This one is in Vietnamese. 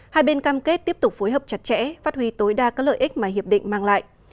hai bên cam kết tiếp tục phối hợp chặt chẽ phát huy tối đa các lợi ích mà hiệp định mang lại